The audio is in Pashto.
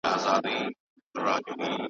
که نن هرڅه بې آزاره در ښکاریږي .